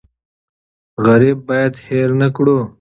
غریب باید هېر نکړو.